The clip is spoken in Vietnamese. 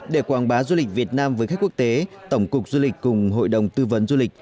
để quảng bá du lịch việt nam với khách quốc tế tổng cục du lịch cùng hội đồng tư vấn du lịch